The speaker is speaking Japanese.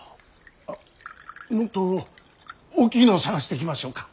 あっもっと大きいのを探してきましょうか。